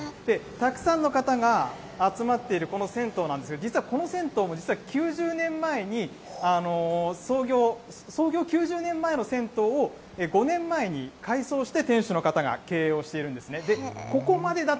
たくさんの方が集まっている、この銭湯なんですが、実はこの銭湯も実は９０年前に創業９０年前の銭湯を５年前に改装して店主の方が経営をしているんですね。